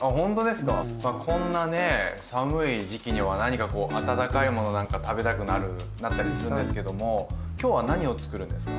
こんなね寒い時期には何かこう温かいものなんか食べたくなったりするんですけども今日は何をつくるんですか？